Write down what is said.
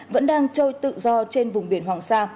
vẫn đang trôi tự do trên vùng biển hoàng sa